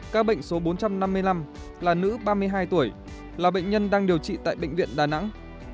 các bệnh số bốn trăm năm mươi năm là nữ ba mươi hai tuổi là bệnh nhân đang điều trị tại bệnh viện đà nẵng